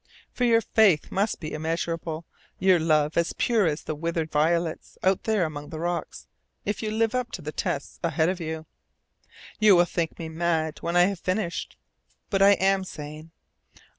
For your faith must be immeasurable, your love as pure as the withered violets out there among the rocks if you live up to the tests ahead of you. You will think me mad when I have finished. But I am sane.